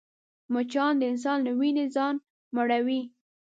مچان د انسان له وینې ځان مړوي